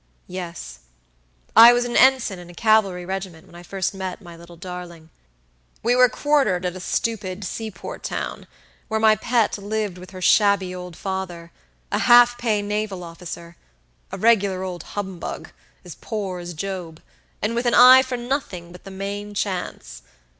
"Yes. I was an ensign in a cavalry regiment when I first met my little darling. We were quartered at a stupid seaport town, where my pet lived with her shabby old father, a half pay naval officer; a regular old humbug, as poor as Job, and with an eye for nothing but the main chance.